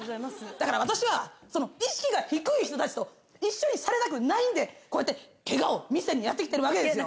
だから私はその意識が低い人たちと一緒にされたくないんでこうやってケガを見せにやってきてるわけですよ。